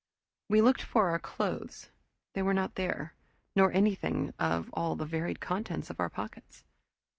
We looked for our clothes they were not there, nor anything of all the varied contents of our pockets.